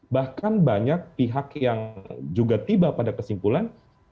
bahkan banyak pihak yang juga tiba pada kesimpulan